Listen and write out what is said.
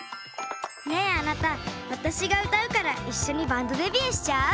ねえあなたわたしがうたうからいっしょにバンドデビューしちゃう？